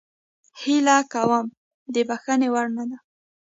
هیله کوم د بخښنې وړ نه ده.